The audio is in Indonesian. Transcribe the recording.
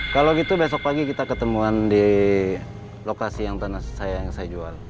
kalau gitu besok pagi kita ketemuan di lokasi yang saya jual